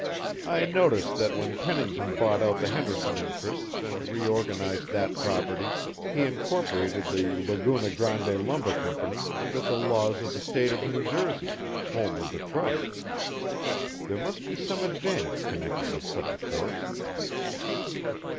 "I notice that when Pennington bought out the Henderson interests and reorganized that property, he incorporated the Laguna Grande Lumber Company under the laws of the State of New Jersey, home of the trusts. There must be some advantage connected with such a course."